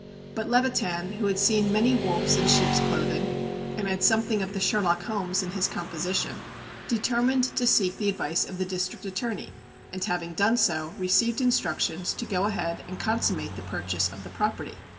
But Levitan, who had seen many wolves in sheep's clothing, and had something of the Sherlock Holmes in his composition, determined to seek the advice of the District Attorney, and having done so, received instructions to go ahead and consummate the purchase of the property.